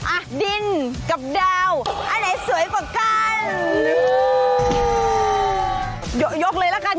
อ่ะดินกับดาวอันไหนสวยกว่ากัน